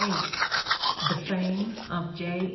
VIII THE FAME OF J.